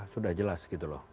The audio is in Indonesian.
sudah jelas gitu loh